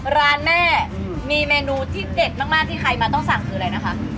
ร้านแม่มีเมนูที่เด็ดมากที่ใครมาต้องสั่งคืออะไรนะคะ